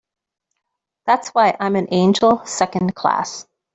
That's why I'm an angel Second Class.